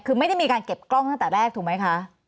คือไม่ได้มีการเก็บกล้องตั้งแต่แรกถูกไหมคะ